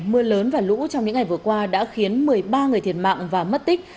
mưa lớn và lũ trong những ngày vừa qua đã khiến một mươi ba người thiệt mạng và mất tích